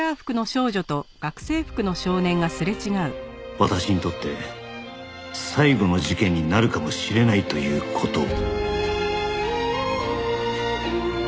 「私にとって最後の事件になるかもしれないという事を」